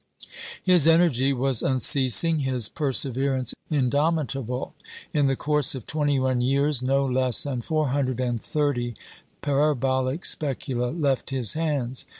His energy was unceasing, his perseverance indomitable. In the course of twenty one years no less than 430 parabolic specula left his hands.